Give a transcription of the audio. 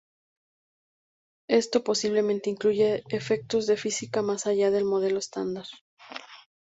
Esto posiblemente incluye efectos de física más allá del modelo estándar.